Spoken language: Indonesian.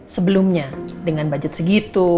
sebelumnya dengan budget segitu